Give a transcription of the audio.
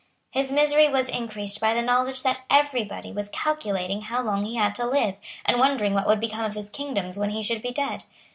His misery was increased by the knowledge that every body was calculating how long he had to live, and wondering what would become of his kingdoms when he should be dead.